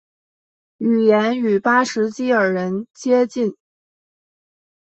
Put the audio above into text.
语言与巴什基尔人接近。